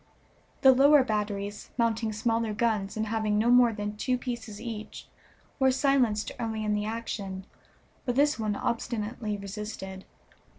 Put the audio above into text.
The lower batteries, mounting smaller guns and having no more than two pieces each, were silenced early in the action, but this one obstinately resisted.